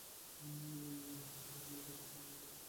এখানে আকস্মিক সাক্ষাতটা মনে হচ্ছে কাকতালীয় নয়, ঠিক?